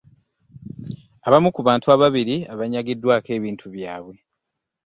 Abamu ku bantu ababiri abaanyagiddwako ebintu byabwe.